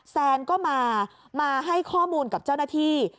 แซนก็มามาให้ข้อมูลกับเจ้าหน้าที่